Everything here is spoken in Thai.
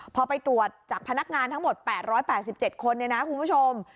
พอไปตรวจจากพนักงานทั้งหมดแปดร้อยแปดสิบเจ็ดคนเลยนะคุณผู้ชม